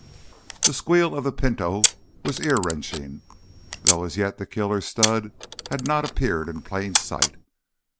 The squeal of the Pinto was ear wrenching, though as yet the killer stud had not appeared in plain sight.